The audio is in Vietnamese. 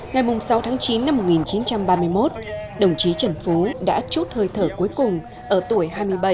ngày sáu tháng chín năm một nghìn chín trăm ba mươi một đồng chí trần phú đã chút hơi thở cuối cùng ở tuổi hai mươi bảy